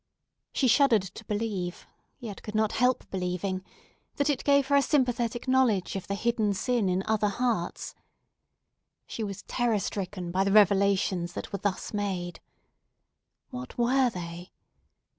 She shuddered to believe, yet could not help believing, that it gave her a sympathetic knowledge of the hidden sin in other hearts. She was terror stricken by the revelations that were thus made. What were they?